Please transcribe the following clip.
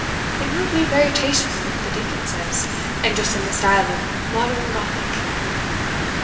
It will be very tastefu', the Deacon says, and just in the style of modern Gothic."